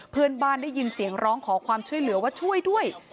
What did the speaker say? เพื่อนบ้านได้ยินเสียงร้องขอความช่วยเหลือว่าช่วยด้วย